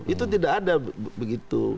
itu tidak ada begitu